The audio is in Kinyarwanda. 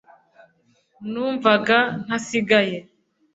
numvaga ntasigaye